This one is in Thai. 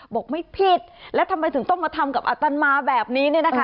บอกไม่ผิดแล้วทำไมถึงต้องมาทำกับอัตมาแบบนี้เนี่ยนะคะ